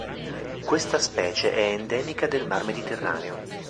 Questa specie è endemica del mar Mediterraneo.